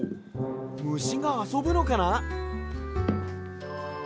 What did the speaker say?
ムシがあそぶのかな？